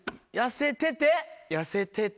痩せてて？